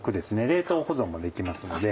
冷凍保存もできますので。